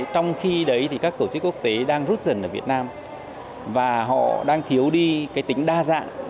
trong khi đấy thì các tổ chức quốc tế đang rút dần ở việt nam và họ đang thiếu đi tính đa dạng